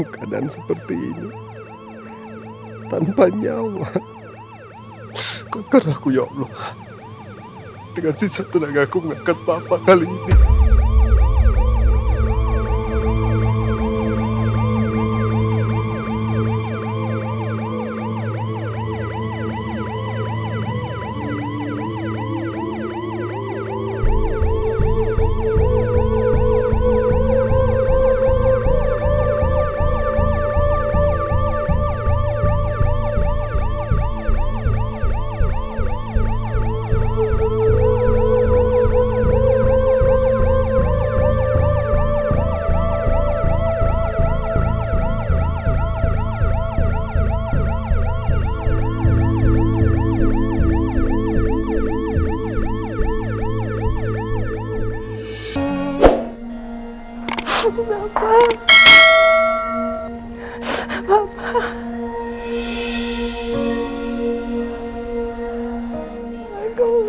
karena saya turut ngabuk cinta sedang dalamnya